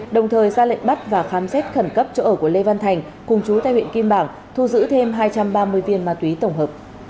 đồng thời ra lệnh bắt và khám xét khẩn cấp chỗ ở của lê văn thành cùng chú tại huyện kim bảng thu giữ thêm hai trăm ba mươi viên ma túy tổng hợp